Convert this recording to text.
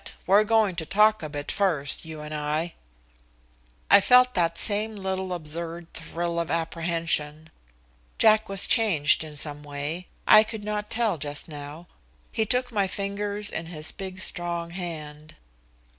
We're going to talk a bit first, you and I." I felt that same little absurd thrill of apprehension. Jack was changed in some way. I could not tell just now. He took my fingers in his big, strong hand.